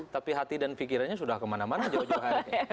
tapi hati dan pikirannya sudah kemana mana jauh jauh hari